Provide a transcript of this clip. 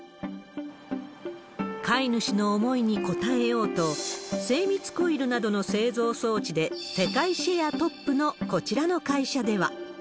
飼い主の思いに応えようと、精密コイルなどの製造装置で世界シェアトップのこちらの会社では。